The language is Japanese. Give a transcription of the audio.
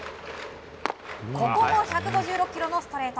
ここも１５６キロのストレート。